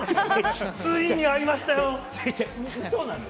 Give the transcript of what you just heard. ついに会えましたよ。